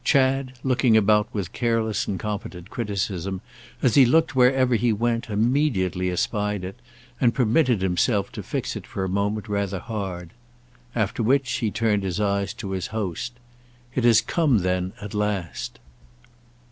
Chad, looking about with careless and competent criticism, as he looked wherever he went immediately espied it and permitted himself to fix it for a moment rather hard. After which he turned his eyes to his host. "It has come then at last?"